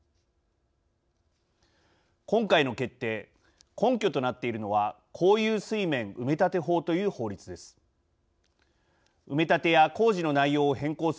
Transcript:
今回の決定根拠となっているのは公有水面埋立法という法律です。